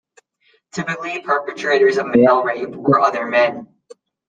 Typically, perpetrators of male rape were other men.